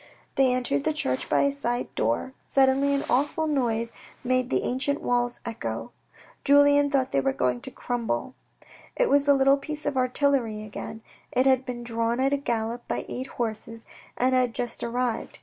They entered the church by a side door; suddenly an awful noise made the ancient walls echo. Julien thought they were going to crumble. It was the little piece of artillery again. It had been drawn at a gallop by eight horses and had just arrived.